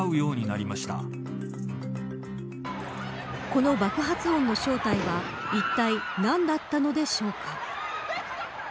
この爆発音の正体はいったい何だったのでしょうか。